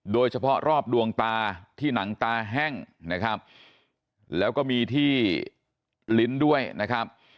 โดยเฉพาะรอบดวงตาที่หนังตาแห้งนะครับแล้วก็มีที่ลิ้นด้วยนะครับ